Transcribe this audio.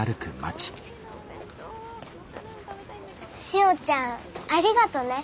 しおちゃんありがとね。